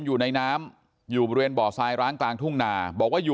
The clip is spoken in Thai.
อยู่ในน้ำอยู่บริเวณบ่อทรายร้างกลางทุ่งนาบอกว่าอยู่